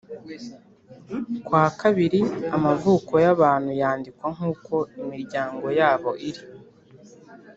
kwa kabiri amavuko y’abantu yandikwa nk’uko imiryango yabo iri